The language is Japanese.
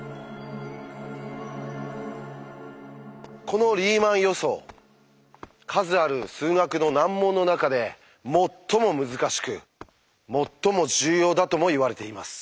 この「リーマン予想」数ある数学の難問の中で最も難しく最も重要だともいわれています。